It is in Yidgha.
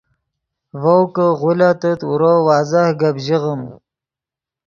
ڤؤ کہ غولیتغت اورو واضح گپ ژیغیم